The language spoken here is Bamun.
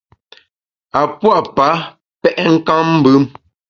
A pua’ pa pèt nkammbùm.